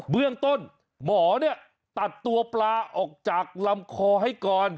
เบื้องต้นหมอเนี่ยตัดตัวปลาออกจากลำคอให้ก่อน